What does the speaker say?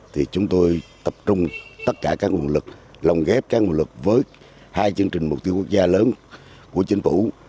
thì chúng tôi tập trung tất cả các nguồn lực lồng ghép các nguồn lực với hai chương trình mục tiêu quốc gia lớn của chính phủ